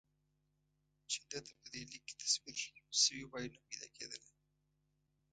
چې ده ته په دې لیک کې تصویر شوې وای نه پیدا کېدله.